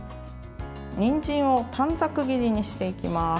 にんじんを短冊切りにしていきます。